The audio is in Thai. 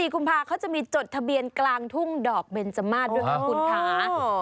๑๔กุมภาคมเขาจะมีจดทะเบียนกลางทุ่งดอกเบนเจมส์มาตรด้วยครับคุณค่ะ